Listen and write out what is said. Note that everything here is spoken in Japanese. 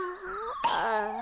ああ。